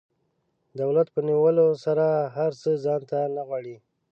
دولت په نیولو سره هر څه ځان ته نه غواړي.